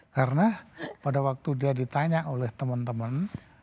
karena pada waktu dia ditanya oleh teman teman